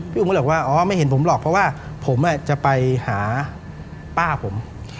อุ๋มก็เลยบอกว่าอ๋อไม่เห็นผมหรอกเพราะว่าผมจะไปหาป้าผม